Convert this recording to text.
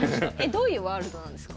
どういうワールドなんですか？